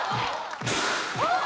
あっ！